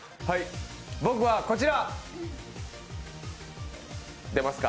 僕はこちら。